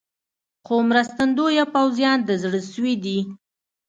خو مرستندویه پوځیان د زړه سوي دي.